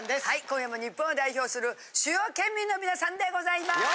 今夜も日本を代表する主要県民の皆さんでございます。